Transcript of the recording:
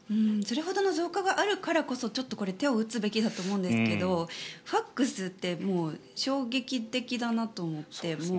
それほどの増加があるからこそ手を打つべきだと思うんですけどファクスってもう衝撃的だなと思って。